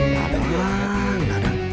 radang wow radang